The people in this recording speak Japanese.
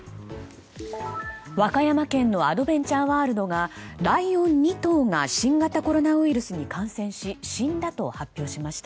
和歌山県のアドベンチャーワールドがライオン２頭が新型コロナウイルスに感染し、死んだと発表しました。